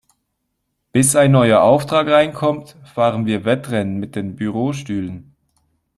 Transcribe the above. Bis ein neuer Auftrag reinkommt, fahren wir Wettrennen mit den Bürostühlen.